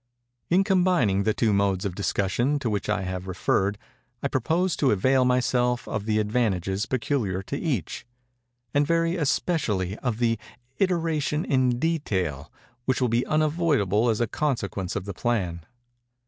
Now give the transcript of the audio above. In combining the two modes of discussion to which I have referred, I propose to avail myself of the advantages peculiar to each—and very especially of the iteration in detail which will be unavoidable as a consequence of the plan.